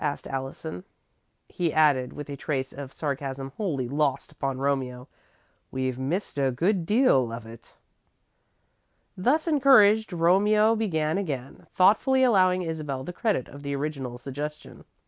asked Allison. He added, with a trace of sarcasm wholly lost upon Romeo: "We've missed a good deal of it." Thus encouraged, Romeo began again, thoughtfully allowing Isabel the credit of the original suggestion.